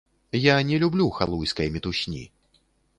Я не люблю халуйскай мітусні.